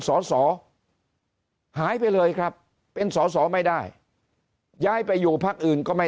สอสอหายไปเลยครับเป็นสอสอไม่ได้ย้ายไปอยู่พักอื่นก็ไม่